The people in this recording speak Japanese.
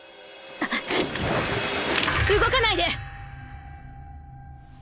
動かないで！